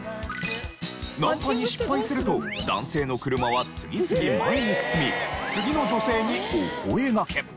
ナンパに失敗すると男性の車は次々前に進み次の女性にお声がけ。